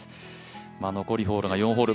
残るホールは４ホール。